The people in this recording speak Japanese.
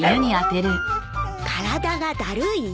体がだるい？